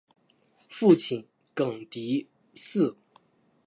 父亲厍狄峙。